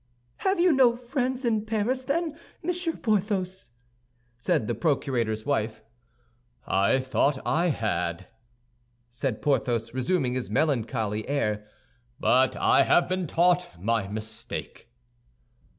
"Have you no friends in Paris, then, Monsieur Porthos?" said the procurator's wife. "I thought I had," said Porthos, resuming his melancholy air; "but I have been taught my mistake."